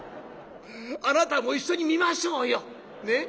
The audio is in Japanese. あなたも一緒に見ましょうよ。ね？